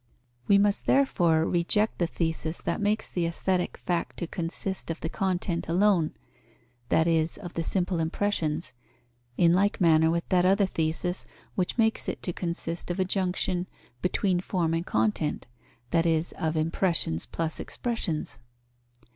We must, therefore, reject the thesis that makes the aesthetic fact to consist of the content alone (that is, of the simple impressions), in like manner with that other thesis, which makes it to consist of a junction between form and content, that is, of impressions plus expressions.